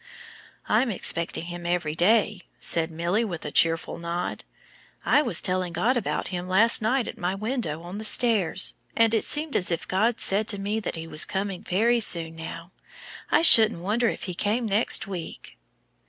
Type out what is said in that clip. "I'm expecting him every day," said Milly with a cheerful little nod. "I was telling God about him last night at my window on the stairs and it seemed as if God said to me that he was coming very soon now. I shouldn't wonder if he came next week!"